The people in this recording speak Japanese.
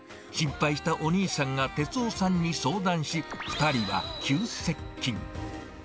心配したお兄さんが哲夫さんに相談し、２人は急接近。